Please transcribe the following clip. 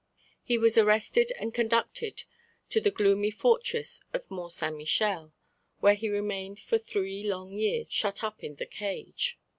He was arrested and conducted to the gloomy fortress of Mont Saint Michel, where he remained for three long years shut up in the cage.